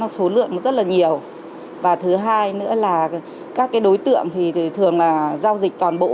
số lượng rất là nhiều và thứ hai nữa là các đối tượng thì thường là giao dịch toàn bộ